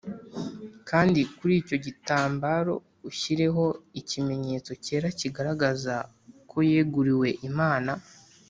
kandi kuri icyo gitambaro ushyireho ikimenyetso cyera kigaragaza ko yeguriwe Imana